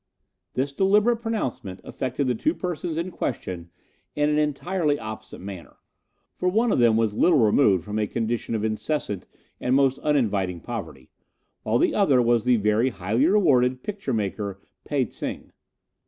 "This deliberate pronouncement affected the two persons in question in an entirely opposite manner, for one of them was little removed from a condition of incessant and most uninviting poverty, while the other was the very highly rewarded picture maker Pe tsing.